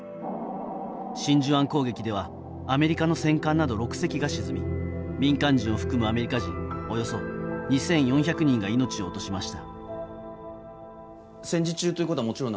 真珠湾攻撃ではアメリカの戦艦など６隻が沈み民間人を含むアメリカ人およそ２４００人が命を落としました。